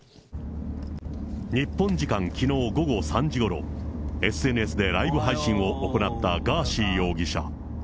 日本時間きのう午後３時ごろ、ＳＮＳでライブ配信を行ったガーシー容疑者。